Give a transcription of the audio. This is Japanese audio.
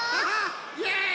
イエーイ！